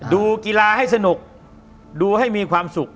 ดูกีฬาให้สนุกดูให้มีความสุข